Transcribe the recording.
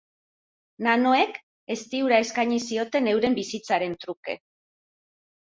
Nanoek, ezti-ura eskaini zioten euren bizitzaren truke.